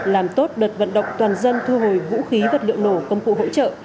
làm tốt đợt vận động toàn dân thu hồi vũ khí vật liệu nổ công cụ hỗ trợ